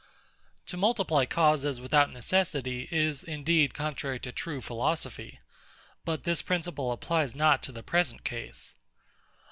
To multiply causes without necessity, is indeed contrary to true philosophy: but this principle applies not to the present case.